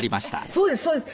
そうですそうです。